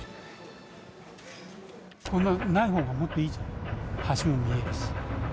こんなん、ないほうがもっといいじゃん、橋も見えるし。